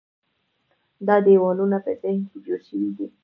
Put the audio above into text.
دا دیوالونه په ذهن کې جوړ شوي دي.